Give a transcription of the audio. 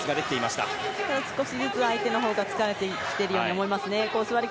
ただ少しずつ相手のほうが疲れてきているように見えますね。